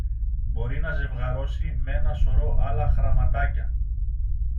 Μπορεί να ζευγαρώσει με ένα σωρό άλλα γραμματάκια